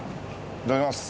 いただきます